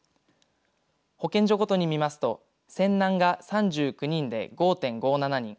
保健所ごとに見ますと仙南が３９人で５．５７人